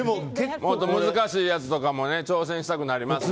難しいやつとかも挑戦したくなりますね。